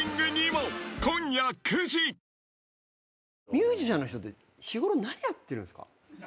ミュージシャンの人って日頃何やってるんすか？